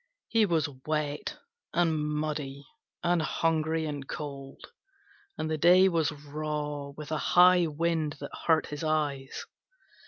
He was wet and muddy and hungry and cold, and the day was raw with a high wind that hurt his eyes.